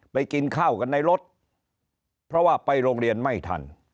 กินข้าวกันในรถเพราะว่าไปโรงเรียนไม่ทัน